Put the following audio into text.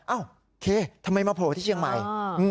โอเคทำไมมาโผล่ที่เชียงใหม่